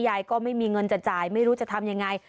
ยายก็ไม่มีเงินจะจ่ายไม่รู้จะทำยังไง